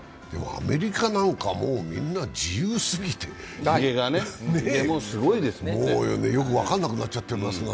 アメリカなんかはもうみんな自由すぎてよく分かんなくなっちゃってますが。